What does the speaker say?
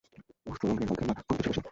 উষ্ট্র রঙ্গের আলখেল্লা পরিহিত ছিল সে।